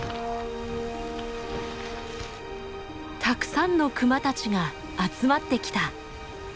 たくさんのクマたちが集まって来た。